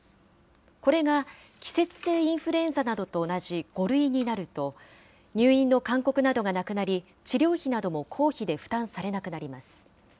これが季節性インフルエンザなどと同じ５類になると、入院の勧告などがなくなり、治療費なども公費で負担されなくなります。